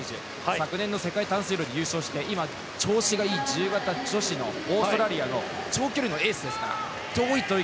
昨年の世界短水路で優勝して今、調子がいい自由形女子のオーストラリアの長距離のエースですからどういう泳ぎ